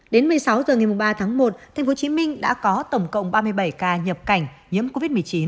đến một mươi sáu h ngày ba tháng một tp hcm đã có tổng cộng ba mươi bảy ca nhập cảnh nhiễm covid một mươi chín